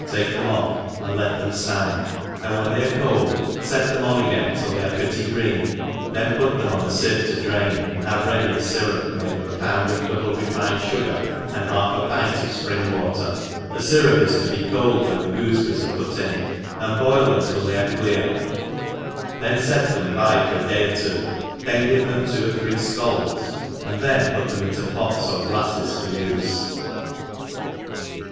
«i^ fakei them off, and let them (land, and when fKey are cold fet them on again till they are pretty green, then put them on a fieve to drain, and have ready a fyrup made of a pound of double refined fugar^ and half a pint of fpring water; the fyrup is to be cold when the goofeberries arc put in^ and boil them till they are clear, then £ft them by for a day or two, then give them t WQ or three fcalds, and thpn put them into pots^ x^r glares for ufc.